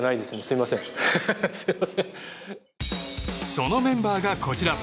そのメンバーがこちら。